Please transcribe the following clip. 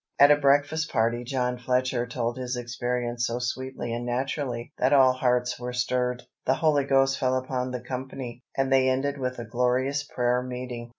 At a breakfast party John Fletcher told his experience so sweetly and naturally that all hearts were stirred, the Holy Ghost fell upon the company, and they ended with a glorious prayer meeting.